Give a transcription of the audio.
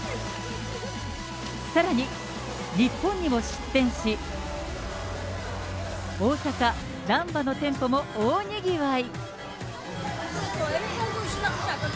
さらに日本にも出店し、大阪・難波の店舗も大にぎわい。